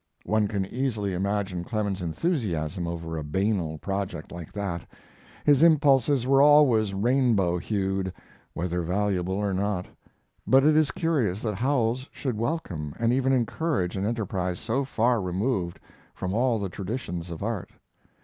One can easily imagine Clemens's enthusiasm over a banal project like that; his impulses were always rainbow hued, whether valuable or not; but it is curious that Howells should welcome and even encourage an enterprise so far removed from all the traditions of art.